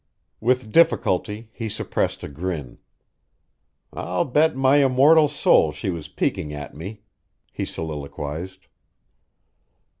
With difficulty he suppressed a grin. "I'll bet my immortal soul she was peeking at me," he soliloquized.